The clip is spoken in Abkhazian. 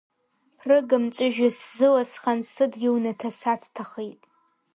Ԥрыга мҵәыжәҩа сзыласхан, сыдгьыл-ҩнаҭа сацҭахеит.